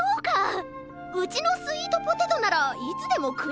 うちのスイートポテトならいつでもくえるしな。